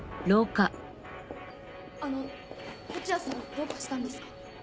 あの東風谷さんどうかしたんですか？